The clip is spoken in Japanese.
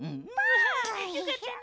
よかったな。